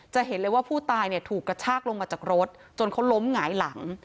จะเห็นเลยว่าผู้ตายเนี่ยถูกกระชากลงมาจากรถจนเขาล้มหงายหลัง